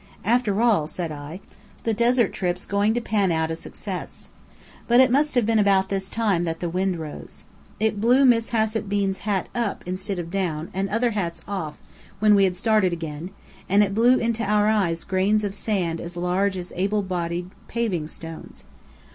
"After all," said I, "the desert trip's going to pan out a success." But it must have been about this time that the wind rose. It blew Miss Hassett Bean's hat up instead of down, and other hats off, when we had started again and it blew into our eyes grains of sand as large as able bodied paving stones.